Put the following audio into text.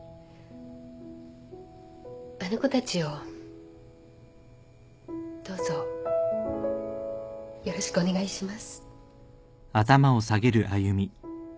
あの子たちをどうぞよろしくお願いします。